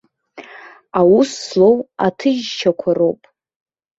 Аус злоу аҭыжьшьақәа роуп.